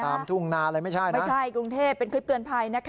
ทุ่งนาอะไรไม่ใช่นะไม่ใช่กรุงเทพเป็นคลิปเตือนภัยนะคะ